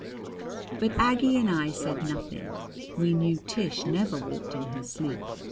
But Aggie and I said nothing. We knew Tish never walked in her sleep.